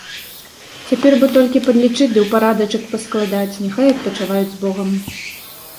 Цяпер бы толькі падлічыць ды ў парадачак паскладаць, няхай адпачываюць з богам.